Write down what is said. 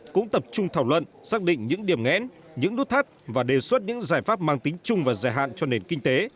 cũng tập trung thảo luận xác định những điểm nghén những đút thắt và đề xuất những giải pháp mang tính chung và giải hạn cho nền kinh tế